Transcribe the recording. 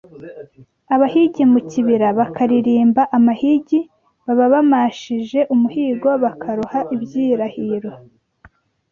abahigi mu kibira bakaririmba amahigi baba bamashije umuhigo bakaroha ibyirahiro